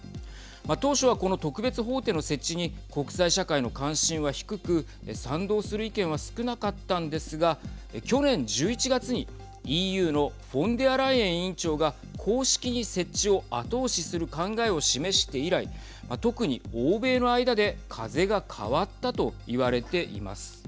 当初は、この特別法廷の設置に国際社会の関心は低く賛同する意見は少なかったんですが去年１１月にＥＵのフォンデアライエン委員長が公式に設置を後押しする考えを示して以来特に欧米の間で風が変わったと言われています。